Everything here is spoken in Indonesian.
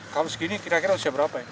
kalau segini kira kira usia berapa ya